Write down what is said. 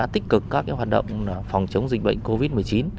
tích cực các hoạt động phòng chống dịch bệnh covid một mươi chín